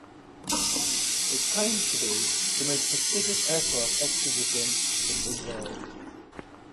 It claims to be the most prestigious aircraft exposition in the world.